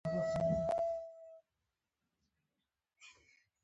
کله چې افغانستان کې ولسواکي وي شپه او ورځ کار کیږي.